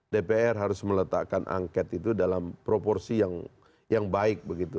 dpr harus meletakkan angket itu dalam proporsi yang baik begitu